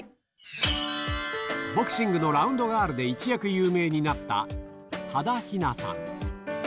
ボクシングのラウンドガールで一躍有名になった、波田妃奈さん。